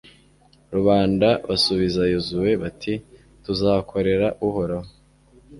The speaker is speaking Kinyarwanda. rubanda basubiza yozuwe bati tuzakorera uhoraho